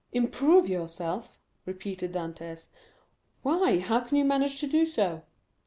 "Improve yourself!" repeated Dantès; "why, how can you manage to do so?"